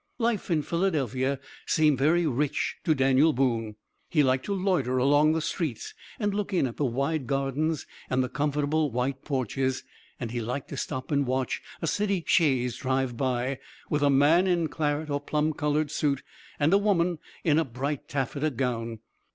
Life in Philadelphia seemed very rich to Daniel Boone; he liked to loiter along the streets and look in at the wide gardens and the comfortable white porches, and he liked to stop and watch a city chaise drive by, with a man in a claret or plum colored suit and a woman in a bright taffeta gown.